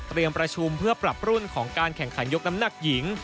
ประชุมเพื่อปรับรุ่นของการแข่งขันยกน้ำหนักหญิง